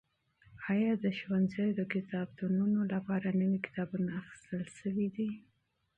ایا د ښوونځیو د کتابتونونو لپاره نوي کتابونه اخیستل شوي دي؟